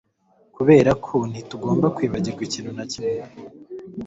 Kuberako ntitugomba kwibagirwa ikintu na kimwe